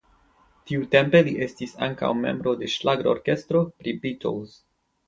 Tiutempe li estis ankaŭ membro de ŝlagrorkestro pri Beatles.